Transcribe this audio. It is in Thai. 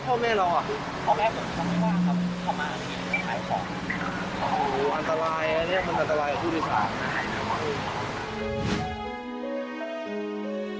วันนี้เราจะมาที่สุดยอด